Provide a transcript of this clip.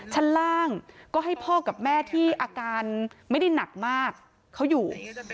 ชั้นล่างก็ให้พ่อกับแม่ที่อาการไม่ได้หนักมากเขาอยู่